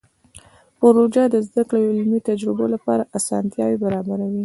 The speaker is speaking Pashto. پروژه د زده کړې او علمي تجربو لپاره اسانتیاوې برابروي.